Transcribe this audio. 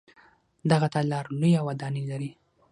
دغه تالار لویه ودانۍ لري.